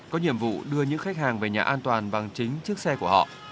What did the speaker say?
có nhiệm vụ đưa những khách hàng về nhà an toàn bằng chính chiếc xe của họ